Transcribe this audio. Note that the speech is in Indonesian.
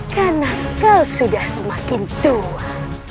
karena kau sudah semakin tua